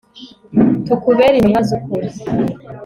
tukubere intumwa z'ukuri